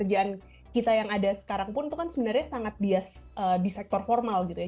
pekerjaan kita yang ada sekarang pun itu kan sebenarnya sangat bias di sektor formal gitu ya